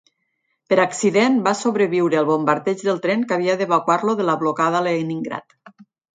Per accident va sobreviure al bombardeig del tren que havia d'evacuar-lo de la blocada Leningrad.